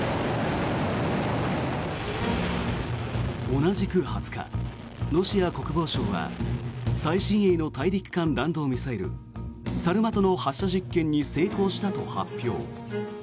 同じく２０日、ロシア国防省は最新鋭の大陸間弾道ミサイルサルマトの発射実験に成功したと発表。